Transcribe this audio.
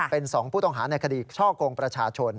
เป็น๒ผู้ต้องหาในคดีช่อกงประชาชน